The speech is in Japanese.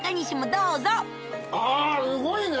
あすごいね！